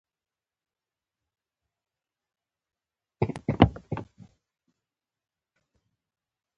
احمد وویل هالونه لوی دي او موجودات سندرې وايي.